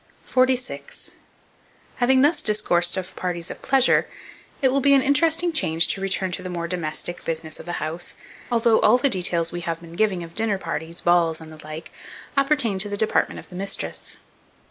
46. HAVING THUS DISCOURSED of parties of pleasure, it will be an interesting change to return to the more domestic business of the house, although all the details we have been giving of dinner parties, balls, and the like, appertain to the department of the mistress.